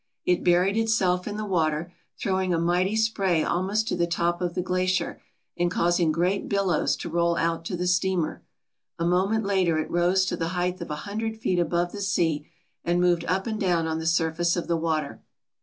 It buried itself in the water, throwing a mighty spray almost to the top of the glacier, and causing great billows to roll out to the steamer. A moment later it rose to the height of a hundred feet above the sea and moved up and down on the surface of the water.